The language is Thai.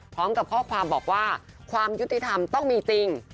พร้อมกับข้อความบอกว่าความยุติธรรมต้องมีจริง